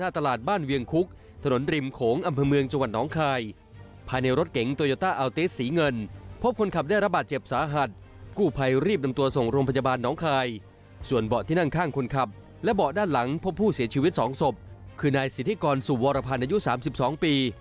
ที่ก่อนสู่วรพันธ์อายุ๓๒ปี